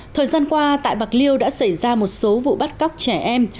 thời gian qua tại bạc liêu đã xảy ra một số vụ bắt cóc trẻ em